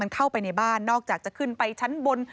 เข้าไปในบ้านนอกจากจะขึ้นไปชั้นบน